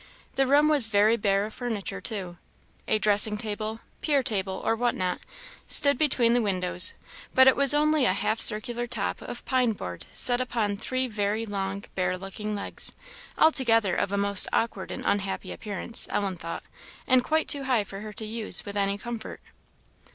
The room was very bare of furniture, too. A dressing table, pier table, or what not, stood between the windows, but it was only a half circular top of pine board set upon three very long bare looking legs altogether of a most awkward and unhappy appearance, Ellen thought, and quite too high for her to use with any comfort.